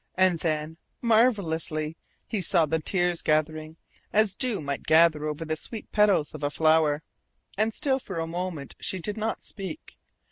And then, marvellously, he saw the tears gathering, as dew might gather over the sweet petals of a flower. And still for a moment she did not speak.